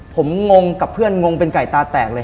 ผมงงกับเพื่อนงงเป็นไก่ตาแตกเลย